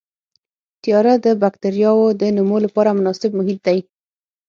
تیاره د بکټریاوو د نمو لپاره مناسب محیط دی.